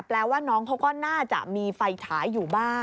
แปลว่าน้องเขาก็น่าจะมีไฟฉายอยู่บ้าง